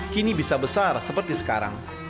kini bisa besar seperti sekarang